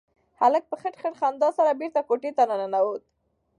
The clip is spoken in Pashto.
هلک په خټ خټ خندا سره بېرته کوټې ته راننوت.